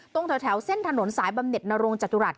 ตรงแถวเส้นถนนสายบำเน็ตนรงจตุรัส